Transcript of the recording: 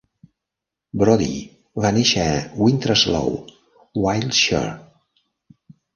Brodie va néixer a Winterslow, Wiltshire.